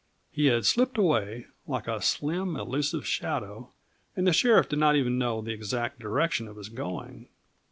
He had slipped away, like a slim, elusive shadow, and the sheriff did not even know the exact direction of his going.